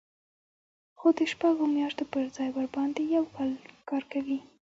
خو د شپږو میاشتو پر ځای ورباندې یو کال کار کوي